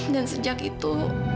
dan sejak itu